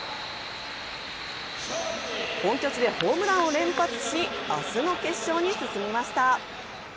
本拠地でホームランを連発し明日の決勝へ進みました。